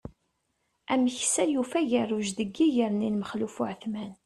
Ameksa yufa agerruj deg iger-nni n Maxluf Uεetman.